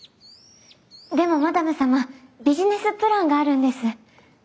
でもマダム様ビジネスプランがあるんです。